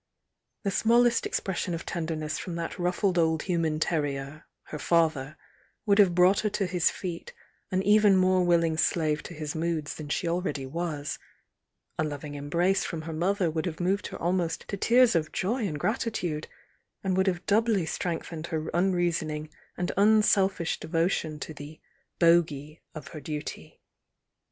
"The smallest expression of tenderness from that ruffled old human terrier, her father, would have brought her to his feet, an even more willing slave to his moods than she aheady was, — a loving em brace from her mother would have moved her al most to tears of joy and gratitude, and would have doubly strengthened her unreasoning and unselfish devotion to the "bogey" of her duty.